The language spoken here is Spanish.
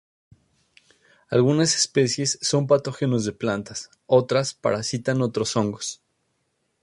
Algunas especies son patógenos de plantas, otras parasitan otros hongos.